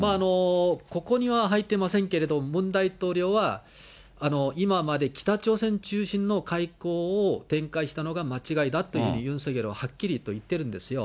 ここには入ってませんけれども、ムン大統領は、今まで北朝鮮中心の外交を展開したのが間違いだというふうにユン・ソンニョルははっきりと言っているんですよ。